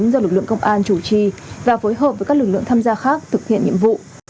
do lực lượng công an chủ trì và phối hợp với các lực lượng tham gia khác thực hiện nhiệm vụ